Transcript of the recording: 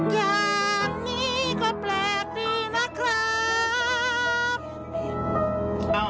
อย่างนี้ก็แปลกดีนะครับ